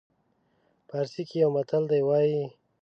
پارسي کې یو متل دی وایي.